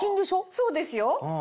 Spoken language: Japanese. そうですよ。